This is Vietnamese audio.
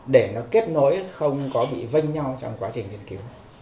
để nó kết nối không có bị vênh nhau trong quá trình nghiên cứu